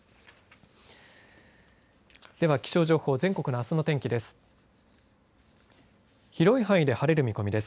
では、気象情報全国のあすの天気です。